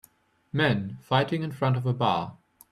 Men fighting in front of a bar.